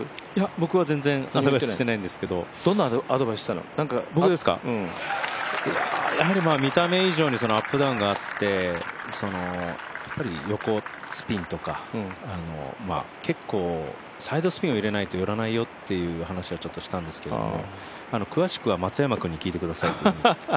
僕は全然言ってないんですけど、やはり見た目以上にアップダウンがあって、横スピンとか結構、サイドスピン入れないと寄らないよという話はしたんですけど詳しくは松山君に聞いてくださいというふうに。